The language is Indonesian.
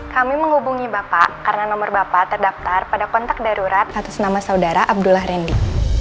kami menghubungi bapak karena nomor bapak terdaftar pada kontak darurat atas nama saudara abdullah randy